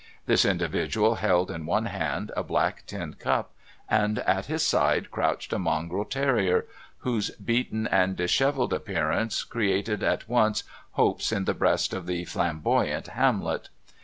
This individual held in one hand a black tin cup, and at his side crouched a mongrel terrier, whose beaten and dishevelled appearance created at once hopes in the breast of the flamboyant Hamlet.